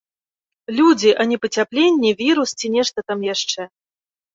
Людзі, а не пацяпленне, вірус ці нешта там яшчэ.